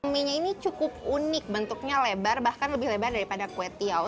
mie nya ini cukup unik bentuknya lebar bahkan lebih lebar daripada kue tiaw